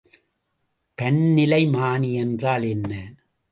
பன்னிலைமானி என்றால் என்ன?